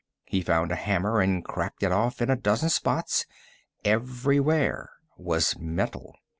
He found a hammer and cracked it off in a dozen spots everywhere was metal.